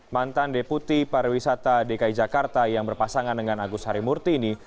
mantan deputi pariwisata dki jakarta yang berpasangan dengan agus harimurti ini